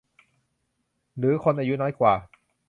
หรือคนอายุน้อยกว่า